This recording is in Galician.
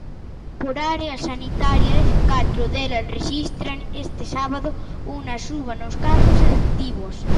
Por áreas sanitarias, catro delas rexistran este sábado unha suba nos casos activos.